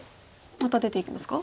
また出ていきますか？